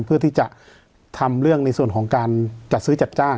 เพื่อที่จะทำเรื่องในส่วนของการจัดซื้อจัดจ้าง